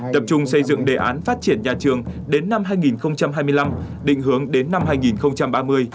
tập trung xây dựng đề án phát triển nhà trường đến năm hai nghìn hai mươi năm định hướng đến năm hai nghìn ba mươi